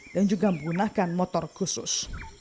juga menggunakan motor khusus